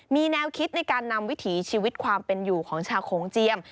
มีแนวคิดในการนำวิถีชีวิตความเป็นอยู่ของชาวโขงเจียม